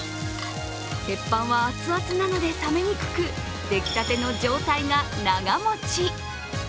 鉄板は熱々なので冷めにくく、出来たての状態が長もち。